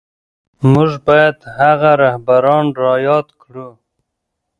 موږ بايد هغه رهبران را ياد کړو.